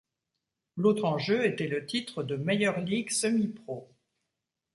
L'autre enjeu était le titre de meilleure ligue semi-pro.